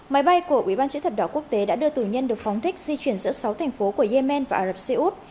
máy bay của ủy ban chữ thập đỏ quốc tế đã đưa tù nhân được phóng thích di chuyển giữa sáu thành phố của yemen và ả rập xê út